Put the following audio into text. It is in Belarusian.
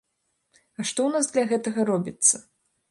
А што ў нас для гэтага робіцца?